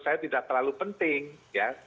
saya tidak terlalu penting ya